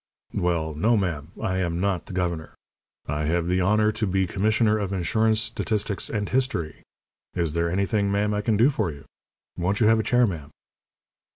"Well, no, ma'am. I am not the governor. I have the honour to be Commissioner of Insurance, Statistics, and History. Is there anything, ma'am, I can do for you? Won't you have a chair, ma'am?"